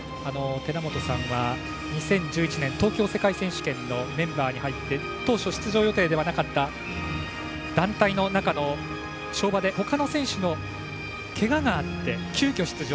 寺本さんは、２０１１年東京世界選手権のメンバーに入って当初、出場予定ではなかった団体の中の跳馬でほかの選手のけががあって、急きょ出場。